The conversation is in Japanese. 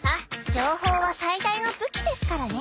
情報は最大の武器ですからね。